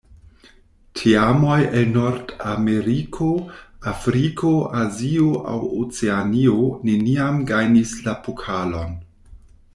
Teamoj el Nordameriko, Afriko, Azio aŭ Oceanio neniam gajnis la pokalon.